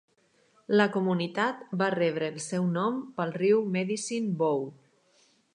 La comunitat va rebre el seu nom pel riu Medicine Bow.